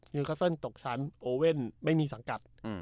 นิวเคอร์เซินตกชั้นโอเว่นไม่มีสังกัด